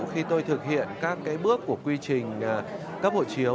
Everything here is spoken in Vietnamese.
khi tôi thực hiện các cái bước của quy trình cấp hộ chiếu